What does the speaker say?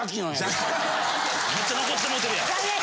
めっちゃ残ってもうてるやん。